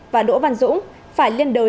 và đỗ văn dũng phải liên đối